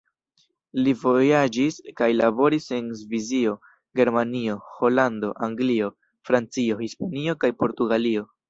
Li vojaĝis kaj laboris en Svisio, Germanio, Holando, Anglio, Francio, Hispanio kaj Portugalio.